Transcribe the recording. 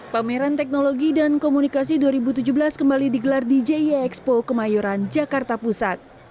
pameran teknologi dan komunikasi dua ribu tujuh belas kembali digelar di jie expo kemayoran jakarta pusat